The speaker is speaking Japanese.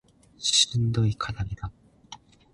しんどい課題だ